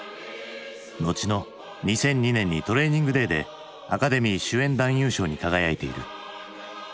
後の２００２年に「トレーニングデイ」でアカデミー主演男優賞に輝いている。